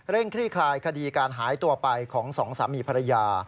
คลี่คลายคดีการหายตัวไปของสองสามีภรรยา